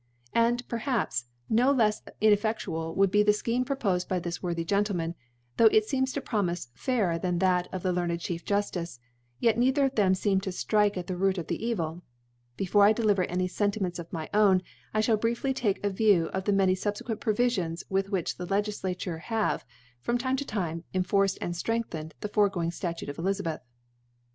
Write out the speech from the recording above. And, perhaps, no lefs inefTe&ual would be the Scheme propofed by this worthy Gentleman, tho* it feems to promifc fairer than that of the learned Chief Jufticc; yet. neither of them feem to ilrike at the Root of the Evil. Before I deliver any Senti ments of my own, I (hall briefly take a View of the many fubfcquent Provifions with which the Ltgiflacure have from Time to Time enforced and ftrengthened the fore going Statute of Elizabeth.